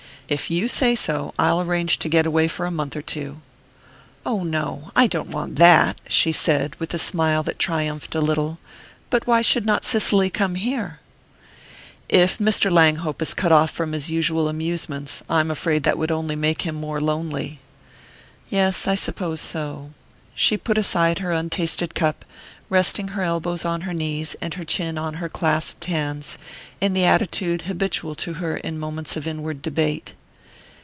"If you say so, I'll arrange to get away for a month or two." "Oh, no: I don't want that!" she said, with a smile that triumphed a little. "But why should not Cicely come here?" "If Mr. Langhope is cut off from his usual amusements, I'm afraid that would only make him more lonely." "Yes, I suppose so." She put aside her untasted cup, resting her elbows on her knees, and her chin on her clasped hands, in the attitude habitual to her in moments of inward debate.